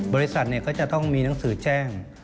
บริษัทก็จะต้องมีหนังสือแจ้ง